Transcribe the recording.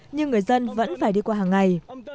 nhưng người dân vẫn phải đi qua hàng ngày